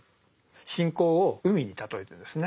信仰を海に例えてですね